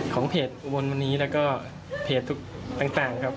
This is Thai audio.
ของเพจวงวิวันนี้แล้วก็เพจตั้งครับ